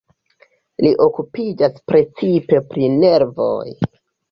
Li okupiĝas precipe pri nervoj.